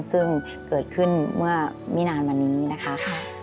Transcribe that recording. ซึ่งเกิดขึ้นเมื่อไม่นานมานี้นะคะ